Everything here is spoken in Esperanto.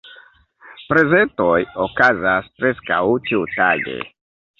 Prezentoj okazas preskaŭ ĉiutage.